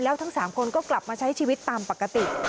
แล้วทั้ง๓คนก็กลับมาใช้ชีวิตตามปกติ